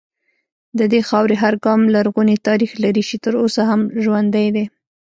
د دې خاورې هر ګام لرغونی تاریخ لري چې تر اوسه هم ژوندی دی